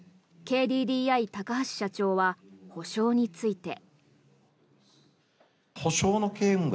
ＫＤＤＩ、高橋社長は補償について。